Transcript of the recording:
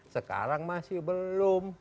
sekarang masih belum